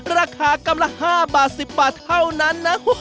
ราคากรัมละ๕บาท๑๐บาทเท่านั้นนะ